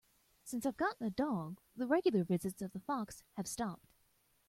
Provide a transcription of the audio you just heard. Since I've gotten a dog, the regular visits of the fox have stopped.